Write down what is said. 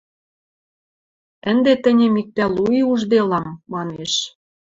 – Ӹнде тӹньӹм иктӓ лу и ужделам... – манеш.